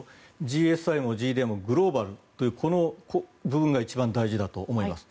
ＧＳＩもＧＤＩもグローバルという、この部分が一番大事だと思います。